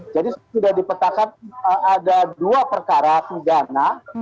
jadi sudah dipetakan ada dua perkara pidana